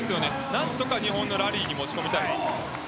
何とか日本のラリーに持ち込みたい。